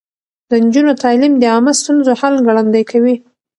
د نجونو تعليم د عامه ستونزو حل ګړندی کوي.